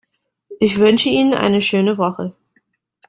Ich wünsche Ihnen eine schöne Woche.